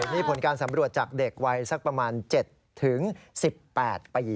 นี่ผลการสำรวจจากเด็กวัยสักประมาณ๗๑๘ปี